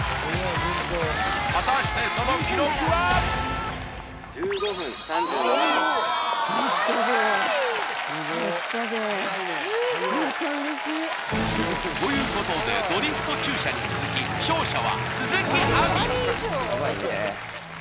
果たしてその記録はということでドリフト駐車に続き勝者は鈴木亜美